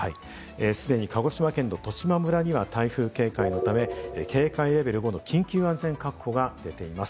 既に鹿児島県の十島村には台風警戒のため警戒レベル５の緊急安全確保が出ています。